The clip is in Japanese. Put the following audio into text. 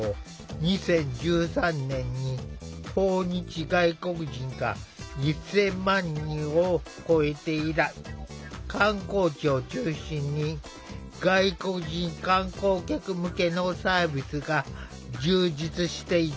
２０１３年に訪日外国人が１，０００万人を超えて以来観光地を中心に外国人観光客向けのサービスが充実していった。